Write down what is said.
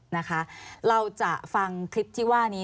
นะคะเราจะฟังคลิปที่ว่านี้